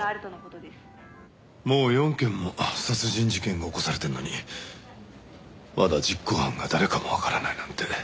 もう４件も殺人事件が起こされてるのにまだ実行犯が誰かもわからないなんて。